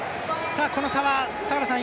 この差は坂田さん